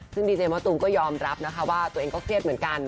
ซึ่งดีเจมะตูมก็ยอมรับนะคะว่าตัวเองก็เครียดเหมือนกัน